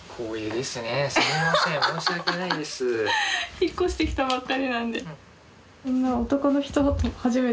引っ越してきたばっかりなんで。